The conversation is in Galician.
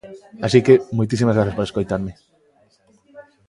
Así que, moitísimas grazas por escoitarme.